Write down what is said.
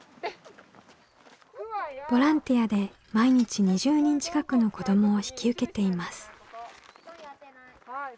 ボランティアで毎日２０人近くの子どもを引き受けています。